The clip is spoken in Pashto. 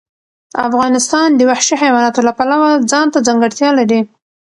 افغانستان د وحشي حیواناتو له پلوه ځانته ځانګړتیا لري.